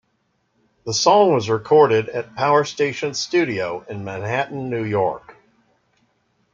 The song was recorded at Power Station Studio in Manhattan, New York.